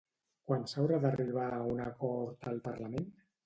Quan s'haurà d'arribar a un acord al Parlament?